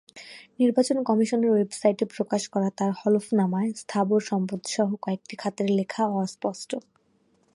নির্বাচন কমিশনের ওয়েবসাইটে প্রকাশ করা তাঁর হলফনামায় স্থাবর সম্পদসহ কয়েকটি খাতের লেখা অস্পষ্ট।